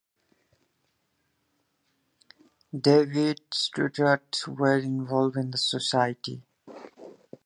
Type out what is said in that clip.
David Stuart (New Marys Abbey) were involved in the society.